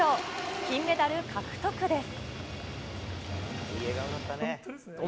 金メダル獲得です。